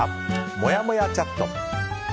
もやもやチャット。